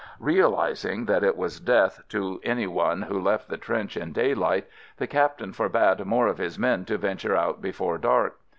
Realizing that it was death to any one who left the trench in daylight, the cap tain forbade more of his men to venture out before dark.